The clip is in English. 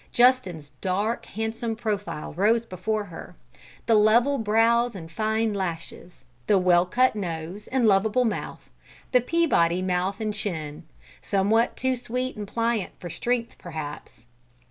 Justin's dark, handsome profile rose before her: the level brows and fine lashes; the well cut nose and lovable mouth the Peabody mouth and chin, somewhat too sweet and pliant for strength, perhaps.